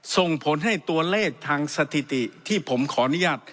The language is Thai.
ส่งผลให้ตัวเลขทางสถิติที่ผมขออนุญาต